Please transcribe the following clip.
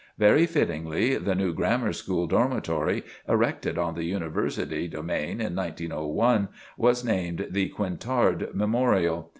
Very fittingly, the new Grammar School Dormitory, erected on the University domain in 1901, was named the "Quintard Memorial."